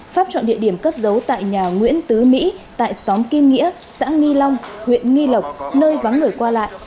pháp chọn địa điểm cất giấu tại nhà nguyễn tứ mỹ tại xóm kim nghĩa xã nghi long huyện nghi lộc nơi vắng người qua lại